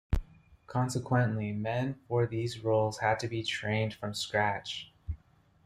Consequently, men for these roles had to be trained from scratch.